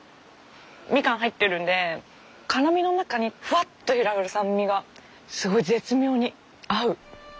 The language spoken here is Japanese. みかん入ってるんで辛みの中にふわっと広がる酸味がすごい絶妙に合う。